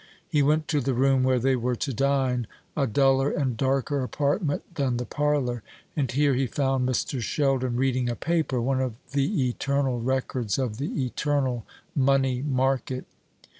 He went to the room where they were to dine, a duller and darker apartment than the parlour, and here he found Mr. Sheldon reading a paper, one of the eternal records of the eternal money market.